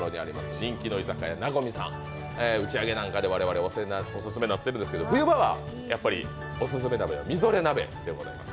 人気の居酒屋なごみさん打ち上げなんかで我々お世話になっているんですけど、冬場はオススメ鍋はみぞれ鍋です。